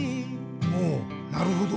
おおなるほど。